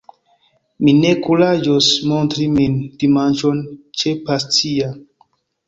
mi ne kuraĝos montri min, dimanĉon, ĉe Patisja!